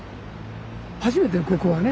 初めてよここはね。